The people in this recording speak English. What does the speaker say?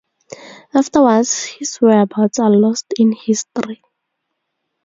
Afterwards, his whereabouts are lost in history.